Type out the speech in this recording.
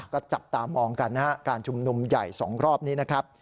ก็จับตามมองกันการชุมนุมใหญ่๒รอบนี้